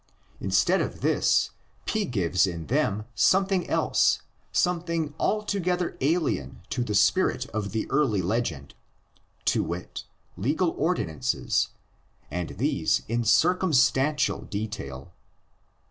Instead of this P gives in them something else, something altogether alien to the spirit of the early legend, to wit, legal ordinances, and these in circumstantial detail.